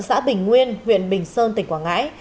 xã bình nguyên huyện bình sơn tỉnh quảng ngãi